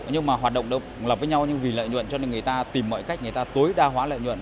nhưng mà hoạt động lập với nhau nhưng vì lợi nhuận cho nên người ta tìm mọi cách người ta tối đa hóa lợi nhuận